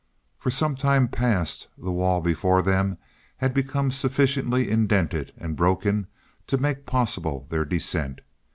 For some time past the wall before them had become sufficiently indented and broken to make possible their descent.